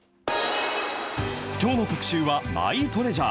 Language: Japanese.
きょうの特集は、マイトレジャー。